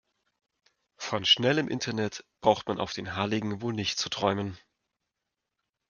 Von schnellem Internet braucht man auf den Halligen wohl nicht zu träumen.